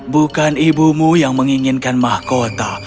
bukan ibumu yang menginginkan mahkota